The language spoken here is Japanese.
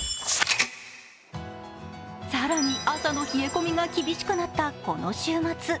更に朝の冷え込みが厳しくなった、この週末。